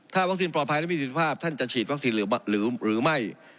ถ้าวัคซีนปลอดภัยและมีสิทธิภาพท่านจะฉีดวัคซีนหรือไม่